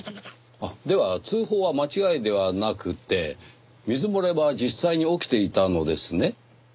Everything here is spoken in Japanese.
では通報は間違いではなくて水漏れは実際に起きていたのですね？